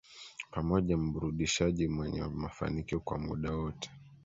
Pamoja Mburudishaji Mwenye Mafanikio kwa Muda Wote